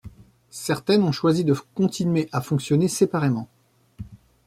Certaines ont choisi de continuer à fonctionner séparément.